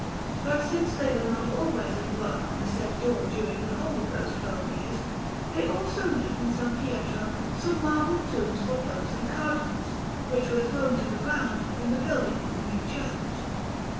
But since they were not always at work on the said door during the whole of those twelve years, they also made in S. Pietro some marble tombs for Popes and Cardinals, which were thrown to the ground in the building of the new church.